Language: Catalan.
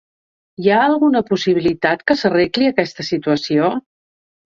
Hi ha alguna possibilitat que s’arregli aquesta situació?